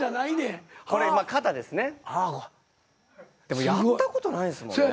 でもやった事ないんですもんね。